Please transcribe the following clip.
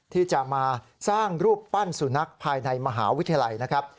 ที่จะมาสร้างรูปปั้นสุนัขภายในมหาวิทยาลัยนะครับ